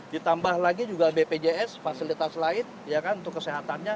ditambah lagi juga bpjs fasilitas lain untuk kesehatannya